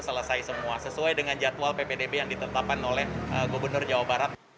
selesai semua sesuai dengan jadwal ppdb yang ditetapkan oleh gubernur jawa barat